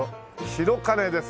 白金です。